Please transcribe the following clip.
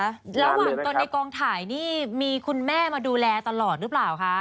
ระหว่างตนในกองถ่ายนี่มีคุณแม่มาดูแลตลอดหรือเปล่าคะ